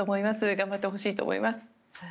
頑張ってほしいと思います。